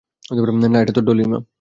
না, এটা তো ডলির মা।